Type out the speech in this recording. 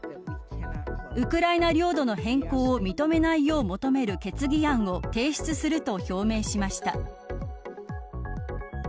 ウクライナ領土の変更を認めないよう求める決議案を提出すると表明しました。